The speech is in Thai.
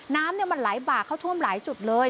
น้ำมันไหลบากเข้าท่วมหลายจุดเลย